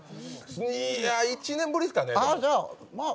いや１年ぶりですかね。